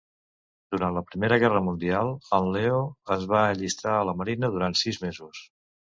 Durant la Primera Guerra Mundial, en Leo es va allistar a la Marina durant sis mesos.